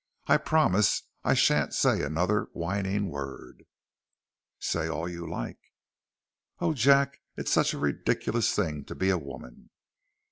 I promise I shan't say another whining word." "Say all you like." "Oh, Jack, it's such a ridiculous thing to be a woman!"